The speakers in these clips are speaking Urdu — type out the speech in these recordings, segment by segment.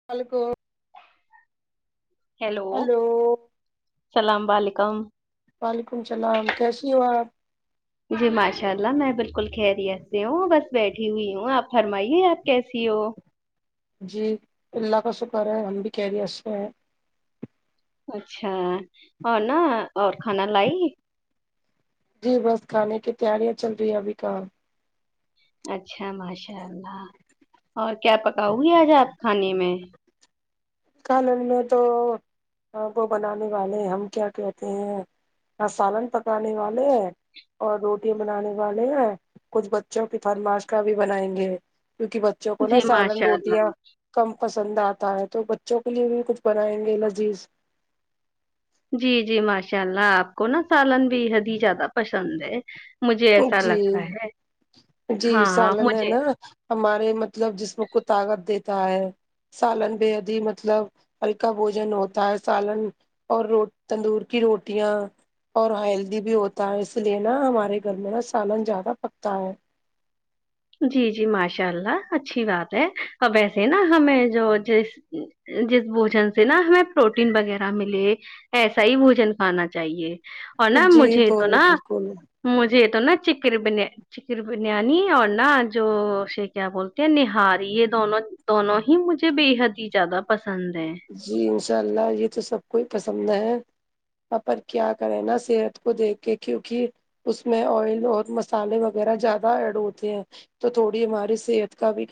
[unintelligible] ہیلو ہلو سلام وعیکم وعلیکم السلام کیسی ہو آپ جی ماشاء اللہ میں بالکل خیریت سے ہوں بس بیٹھی ہوئی ہوں آپ فرمائیے آپ کیسی ہو جی اللہ کا شکر ہے ہم بھی خیریت سے ہیں اچھا اور نا اور کھانا لائی جی بس کھانے کی تیاریاں چل رہی ہے ابھی کہاں اچھا ماشاء اللہ اور کیا پکاؤ گی آج آپ کھانے میں کالن میں تو کو بنانے والے ہیں ہم کیا کہتے ہیں سالن پکانے والے ہیں اور روٹیاں بنانے والے ہیں کچھ بچوں کی فرمایش کا بھی بنائیں گے کیونکہ بچوں کو نا جی سالن ماشاء روٹیاں اللہ کم پسند آتا ہے تو بچوں کے لیے بھی کچھ بنائیں گے لذیذ جی جی ماشاء اللہ آپ کو نا سالن بے حد ہی زیادہ پسند ہے مجھے ایسا جی لگتا ہے جی ہاں ہاں سالن ہے مجھے نا ہمارے مطلب جسم کو طاقت دیتا ہے سالن بے حد ہی مطلب ہلکہ بوجن ہوتا ہے سالن اور رو تندور کی روٹیاں اور ہیلدی بھی ہوتا ہے اس لیے نا ہمارے گھر میں نہ سالن زیادہ پکتا ہے جی جی ماشاء اللہ اچھی بات ہے اور ویسے نا ہمیں جو جس جس بوجن سے نا ہمیں پروٹین وغیرہ ملے ایسا ہی بوجن کھانا چاہیے اور نہ جی مجھے تو بول نا بالکل مجھے تو نا چکن بن چکن بریانی اور نا جو سے کیا بولتے ہیں نہاری یہ دونوں دونوں ہی مجھے بےحد ہی زیادہ پسند ہے جی انشاء اللہ یہ تو سب کو ہی پسند ہے پر کیا کریں نا صحت کو دیکھ کے کیونکہ اس میں آئل اور مسالے وغیرہ زیادہ ایڈ ہوتے ہیں تو تھوڑی ہماری صحت کا بھی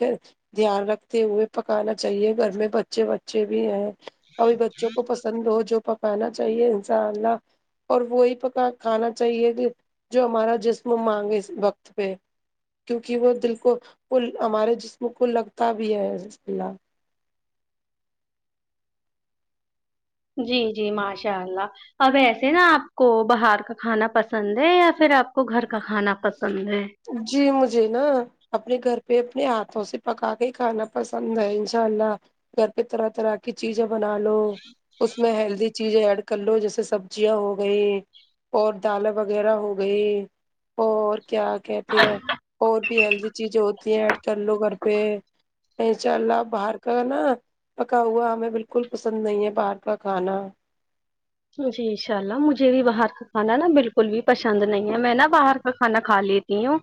دھیان رکھتے ہوئے پکانا چاہیے گھر میں بچے بچے بھی ہیں ابھی بچوں کو پسند ہو جو پکانا چاہیے انساء اللہ اور وہی پکا کھانا چاہیے کہ جو ہمارا جسم مانگے اس وقت پہ کیوںکہ وہ دل کو وہ ہمارے جسم کو لگتا بھی ہے ر اللہ جی جی ماشاء اللہ اب ویسے نا آپ کو باہر کا کھانا پسند ہے یا پھر آپ کو گھر کا کھانا پسند ہے جی مجھے نا اپنے گھر پہ اپنے ہاتھوں سے پکا کے ہی کھانا پسند ہے انشاء اللہ گھر پہ طرح طرح کی چیزیں بنا لو اس میں ہیلدی چیزیں ایڈ کر لو جیسے سبزیاں ہو گئییں اور دال وغیرہ ہو گئی اور کیا کہتے ہیں اور بھی ہیلدی چیزیں ہوتی ہیں ایڈ کر لو گھر پہ اشاء اللہ باہر کا نا پکا ہوا ہمیں بالکل پسند نہیں ہے باہر کا کھانا جی انشاء اللہ مجھے بھی باہر کھانا نا بالکل بھی پسند نہیں ہے میں نا باہر کا کھانا کھا لیتی ہوں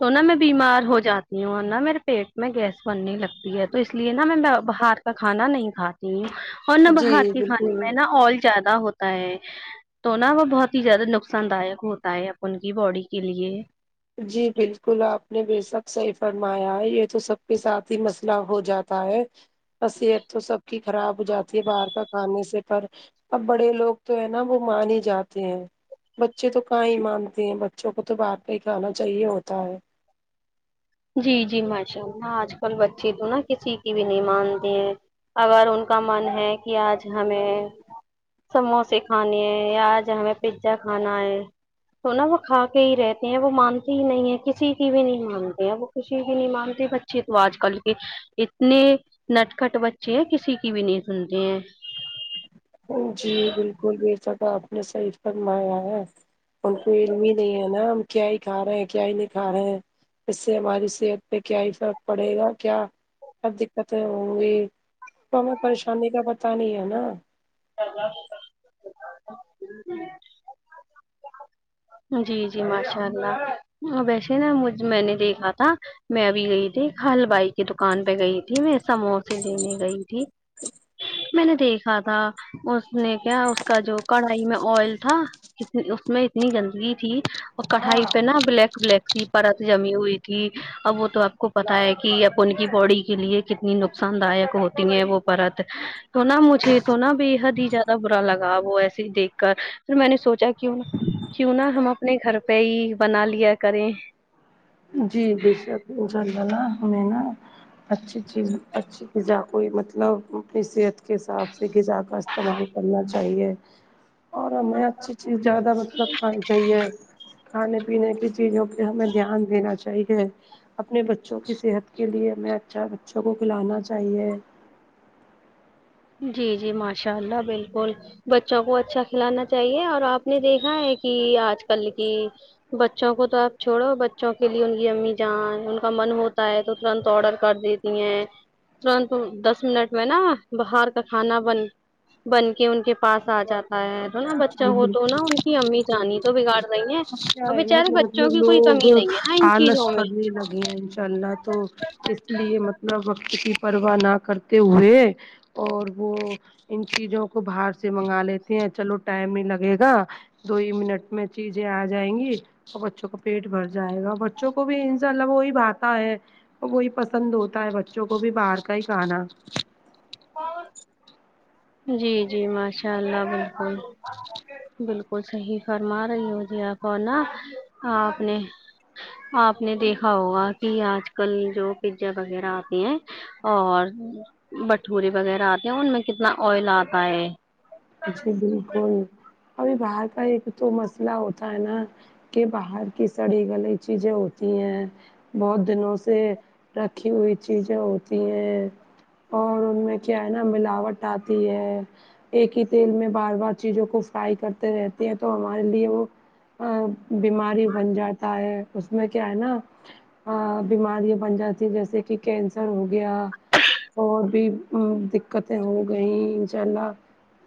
تو نہ میں بیمار ہو جاتی ہوں اور نہ میرے پیٹ میں گیس بنے لگتی ہے تو اس لیے نہ میں باہر کھانا نہیں کھاتی ہوں اور نہ جی باہر کے کھانے بالکل میں نا آئل زیادہ ہوتا ہے تو نا وہ بہت ہی زیادہ نقصان دایک ہوتا ہے اپن کی باڈی کے لیے جی بالکل آپ نے بے شک صحیح فرمایا ہے یہ تو سب کے ساتھ ہی مسئلہ ہو جات صحت تو سب کی خراب ہو جاتی ہے باہر کا کھانے سے پر اب بڑے لوگ تو ہے نا وہ مان ہی جاتے ہیں بچے تو کہ ہی مانتے ہیں بچوں کو تو باہر کا ہی کھانا چاہیے ہوتا ہے جی جی ماشاء اللہ آج کل بچے تو نا کسی کی بھی نہیں مانتے ہیں اگر ان کا من ہے کہ آج ہمیں سموسے کھانے ہیں یا آج ہمیں پیزا کھانا ہے تو نا وہ کھا کے ہی رہتے ہیں وہ مانتی ہی نہیں ہے کسی کی بھی نہیں مان وہ کس کی نہیں مانتی بچے تو آج کل کی اتنے نٹ کٹ بچے ہیں کسی کی بھی نہیں سنتے ہیں جی بالکل یہ سب آپ نے صحیح فرمایا ہے ان کو علم ہی نہیں ہے نا ہم کیا ہی کھا رہے ہیں کیا ہی نہیں کھا رہے ہیں اس سے ہماری صحت پہ کیا افقٹ پڑے گا کیا کیا دقتیں ہوں گی تو ہمیں پریشانی کا پتا نہیں ہے نا [unintelligible] جی جی ماشاء اللہ ویسے نا مج میں نے دیکھا تھا میں ابھی گئی تھی کل بائی کی دکان پہ گئی تھی میں سموسے دینے گئی تھی میں نے دیکھا تھا اس نے کیا اس کا جو کڑھائی میں آئل تھاتنی اس میں اتنی گندگی تھی کڑھائی پہ نا بلیک بلیک سی پرت جمی ہوئی تھی اب وہ تو آپ کو پتا ہے کہ اپن کی باڈی کے لیے کتنی نقصان دایک ہوتی ہیں وہ پرت تو نا مجھے تو نا بے حد ہی زیادہ برا لگا وہ ایسے دیکھ کر پھر میں نے سوچا کیوں کیوں نا ہم اپنے گھر پہ ہی بنا لیا کریں جی بے شک انشاءاللہ نا ہمیں نہ اچھی چیز اچھی غذا کوئی مطلب اپنی صحت کے حساب سے غذا کا استعمال کرنا چاہیے [inaudible] اور ہمیں اچھی چیز زیادہ مطلب کھانی چاہیے کھانے پینے کی چیزوں پہ ہمیں دھیان ین چاہے اپنے بچوں کی صحت کے لیے ہمیں اچھا بچوں کو کھلانا چاہیے جی جی ماشاء اللہ بالکل بچوں کو اچھا کھلانا چاہیے اور آپ نے دیکھا ہے کہ آج کل کی بچوں کو تو آپ چھوڑو بچوں کے لیے ان کی امی جان ان کا من ہوتا ہے تو ترنت آڈر کر دی ترنت دس منٹ میں نا باہر کا کھانا بن بن کے ان کے پاس آ جاتا تو نا بچہ جی ہو بالکل تو نا ان کی امی جانی تو بگاڑ رہی ہیں اب کیا اور ہے نا بیچارے کہ بچ لوگ آلس کرنے لگے ہیں انشاء اللہ تو اس لیے مطلب وقت کی پرواہ نہ کرتے ہوئے اور وہ ان چیزوں کو باہر سے منگا لیتے ہیں چلو ٹائم ہی لگے گا دو ہی منٹ میں چیزیں آ جائیں گی تو بچوں کا پیٹ بھر جائے گا بچوں کو بھی انسا اللہ وہی بھاتا ہے وہی پسند ہوتا ہے بچوں کو بھی باہر کا ہی کھانا جی جی ماشاء اللہ بالکل بال کل صحیح فرما رہی ہو جی آپنا آپ نے آپ نے دیکھا ہوگا کہ آج کل جو پیزا وغیرہ آتے ہیں اور بٹورے وغیرہ آتے ہیں ان میں کتنا آئل آتا ہے جی بالکل ابھی باہر کا ایک تو مسئلہ ہوتا ہے نا کہ باہر کی سڑی گلی چیزیں ہوتی ہیں بہت دنوں سے رکھی ہوئی چیزیں ہوتی ہیں اور ان میں کیا ہے نا ملاوٹ آتی ہے ایک ہی تیل میں بار بار چیزوں کو فرائی کرتے رہتے ہیں تو ہمارے لیے وہ ا بیماری بن جاتا ہے اس میں کیا ہے نا ہاں بیماریاں بن جاتی ہیں جیسے کہ کینسر ہو گیا اور بھی دقتیں ہو گئیں انشاء اللہ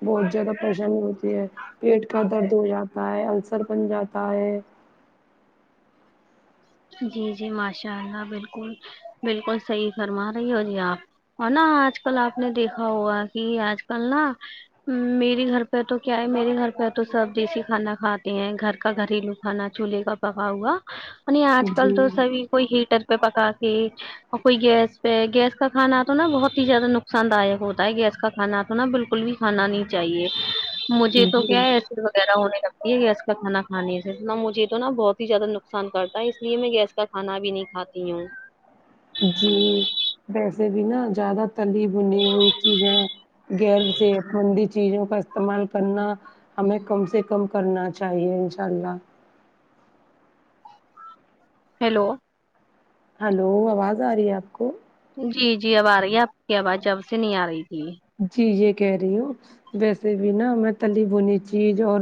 بہت زیادہ پریشانی ہوتی ہے پیٹ کا درد ہو جاتا ہے السر بن جاتا ہے جی جی ماشاء اللہ بالکل بالکل صحیح فرما رہی ہو جی آپ اور نا آج کل آپ نے دیکھا ہوا کہ آج کل نا میرے گھر پہ تو کیا ہے میرے گھر پہ تو سب دیسی کھانا کھاتے ہیں گھر کا گھر ہی لوگ کھانا چولہے کا پکا ہوا آج کل جی تو سبھی کوئی ہیٹر پہ پکا کے اور کوئی گیس پہ گیس کا کھانا تو نا بہت ہی زیادہ نقصان داک ہوتا ہے گیس کا کھا تو ہے نا بالکل بھی کھانا نہیں چاہیے مجھے تو کیا جی ہے وغیرہ ہونے لگتی ہے گیس کا کھانا کھے سے نہ مجھے تو نہا بہت ہی زیادہ نقصان کر اس لیے میں گیس کا کھانا بھی نہیں کھاتی ہوں جی ویسے بھی نا زیادہ تلی بھنی ہوئی چیز ہے گغیر سےٹھنڈی چیزوں کا استعمال کرنا ہمیں کم سے کم کرنا چاہیے انشاء اللہ ہیلو ہیلو آواز آ رہی ہے آپ کو جی جی اب آ رہی ہے آپ کی آواز جب سے نہیں آ رہی تھی جی یہ کہہ رہی ہوں ویسے بھی نا میں تلی بنی چیز اور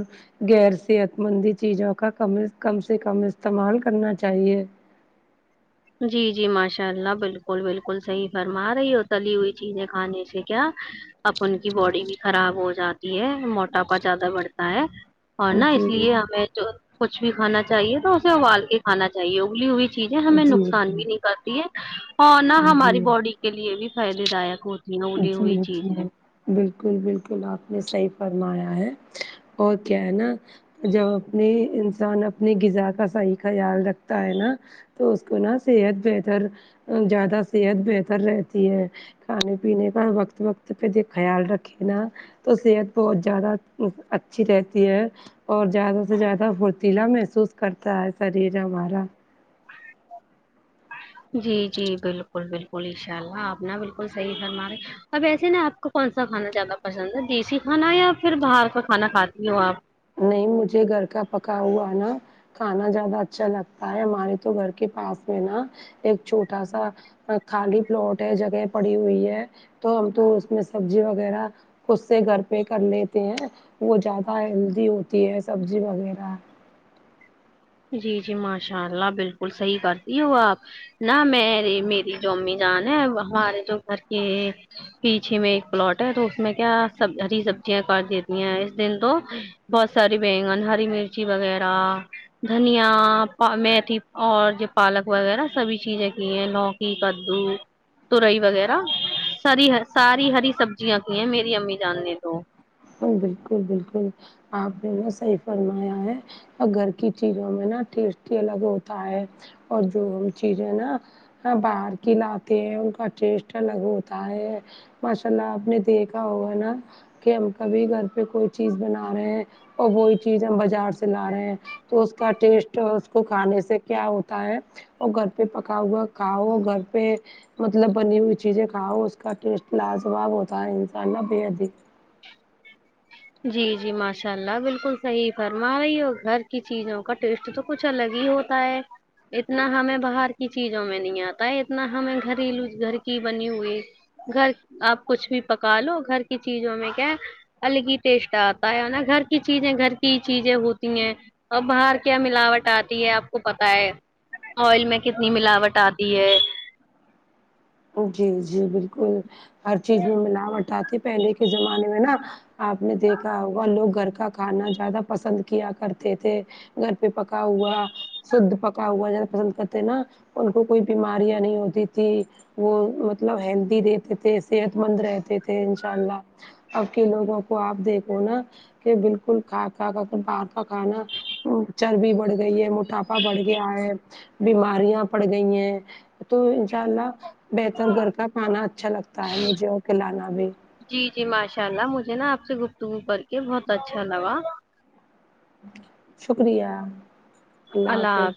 غیر صحت مندی چیزوں کا ک کم سے کم استعمال کرنا چاہیے جی جی ماشاء اللہ بالکل بالکل صحیح فرما رہی ہو تلی ہوئی چیزیں کھانے سے کیا اب ان کی باڈی بھی خراب ہو جاتی ہے موٹاپا زیادہ بڑھتا ہے اور نا اس جی لیے ہمیں جو کچھ بھی کھانا چاہیے تو اسے ابال کے کھانا چاہیے ابلی ائی چیز ہے ہمیں نقصان جی بھی نہیں کرتی ہے اور نہ ہماری جی باڈی کے لیے بھی فائدے داک ہوتی انیی جی ہوئی چیز جی ہے بالکل بالکل آپ نے صحیح فرمایا ہے اور کیا ہے نا جب اپنی انسان اپنی غذا کا صحیح خیال رکھتا ہے نا تو اس کو نا صحت بہتر زیادہ صحت بہتر رہتی ہے کھانے پینے کا وقت وقت پہ د خیال رکھے نا تو صحت بہت زیادہ اچھی رہتی ہے اور زیادہ سے زیادہ فھرتیلا محسوس کرتا ہے شریر ہمارا جی جی بالکل بالکل انشاء اللہ آپ ن بالکل صحیح فرمارے اب ایسے نا آپ کو کون سا کھانا زیادہ پسند ہے دیسی کھانا یا پھر باہر کا کھانا کھاتی ہو آپ نہیں مجھے گھر کا پکا ہوا نا کھانا زیادہ اچھا لگتا ہے ہمارے تو گھر کے پاس میں نا ایک چھوٹا سا خالی پلاٹ ہے جگہ پڑی ہوئی ہے تو ہم تو اس میں سبزی وغیرہ خود سے گھر پہ کر لیتے ہیں وہ زیادہ ہیلدی ہوتی ہے سبزی وغیرہ جی جی ماشاء اللہ بالکل صحیح کرتی ہو آپ نہ میری میری جو امی جان ہے ہمارے جو گھر کے پیچے میں ایک پلاٹ ہے تو اس میں کیا سب ہری سبزیاں کر دیتی ہیں اس دن تو بہت ساری بیگن ہری مرچی وغیرہ دھنیا میتھی اور جو پالک وغیرہ سبھی چیزیں کی ہیں لوکی کدو ترئی وغیرہ سری ساری ہری سبزیاں کی ہیں میری امی جان نے تو بالکل بالکل آپ نے نہ صحیح فرمایا ہے اور گھر کی چیزوں میں نا ٹیسٹی الگ ہوتا ہے اور جو ہم چیزیں نا باہر کی لاتے ہیں ان کا ٹیسٹ الگ ہوتا ہے ماشاء اللہ آپ نے دیکھا ہوگا نا کہ ہم کبھی گھر پہ کوئی چیز بنا رہے ہیں اور وہی چیز ہم بازار سے لا رہے ہیں تو اس کا ٹیسٹ اس کو کھانے سے کیا ہوتا ہے وہ گھر پہ پکا ہوا کھاؤ گھر پہ مطلب بنی ہوئی چیزیں کھاؤ اس کا ٹیسٹ لاجواب ہوتا ہے انسان نا بے حد جی جی ماشاء اللہ بالکل صحیح فرما رہی ہو گھر کی چیزوں کا ٹیسٹ تو کچھ الگ ہی ہوتا ہے اتنا ہمیں باہر کی چیزوں میں نہیں آتا ہے اتنا ہمیں گریلو گھر کی بنی ہوئی گھر آپ کچھ بھی پکا لو گھر کی چیزوں میں کیا الگ ہی ٹیسٹ آتا ہے نا گھر کی چیزیں گھر کی ہی چیزیں ہوتی ہیں اب باہر کیا ملاوٹ آتی ہے آپ کو پتا ہے آئل میں کتنی ملاوٹ آتی ہے جی جی بالکل ہر چیز میں ملاوٹ آتی پہلے کے زمانے میں نا آپ نے دیکھا ہوگا لوگ گھر کا کھانا زیادہ پسند کیا کرتے تھے گھر پہ پکا ہوا شھد پکا ہوا زیادہ پسند کرتے نا ان کو کوئی بیماریاں نہیں ہوتی تھیں وہ مطلب ہیلدی رہتے تھے صحت مند رہتے تھے انشاء اللہ اب کے لوگوں کو آپ دیکھو نا کہ بالکل کھا کھا کر باہر کا کھانا چربی بڑھ گئی ہے موٹاپا بڑھ گیا ہے بیماریاں بڑگئی ہیں تو انشاء اللہ بہتر گھر کا کھانا اچھا لگتا ہے مجھے اور کھلانا بھی جی جی ماشاء اللہ مجھے نا آپ سے گفتگو کر کے بہت اچھا لگا شکریہ اللہ حافظ